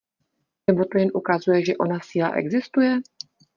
Nebo to jen ukazuje, že ona síla existuje?